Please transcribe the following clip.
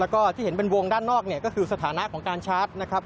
แล้วก็ที่เห็นเป็นวงด้านนอกเนี่ยก็คือสถานะของการชาร์จนะครับ